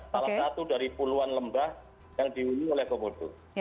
salah satu dari puluhan lembah yang dihuni oleh komodo